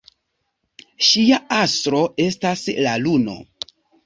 Ŝia astro estas la luno.